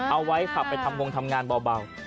เอาไว้ขับไปทำงงทำงานเบา